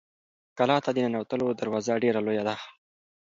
کلا ته د ننوتلو دروازه ډېره لویه ده.